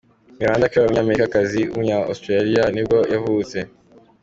Miranda Kerr, umunyamidelikazi w’umunya-Australia nibwo yavutse.